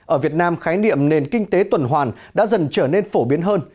ở việt nam khái niệm nền kinh tế tuần hoàn đã dần trở nên phổ biến hơn